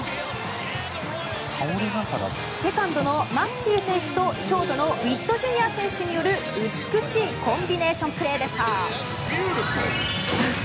セカンドのマッシー選手とショートのウィットＪｒ．選手による美しいコンビネーションプレーでした。